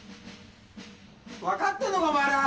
分かってんのかお前ら！